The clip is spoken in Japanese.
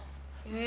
え。